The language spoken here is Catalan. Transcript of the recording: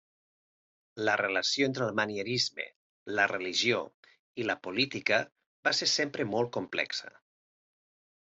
La relació entre el manierisme, la religió i la política va ser sempre molt complexa.